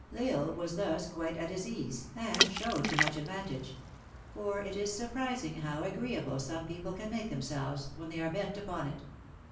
L Isle was thus quite at his ease, and showed to much advantage; for it is surprising how agreeable some people can make themselves when they are bent upon it.